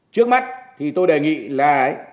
trước mắt thì tôi đề nghị là